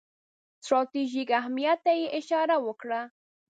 ستراتیژیک اهمیت ته یې اشاره وکړه.